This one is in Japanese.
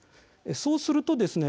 そうするとですね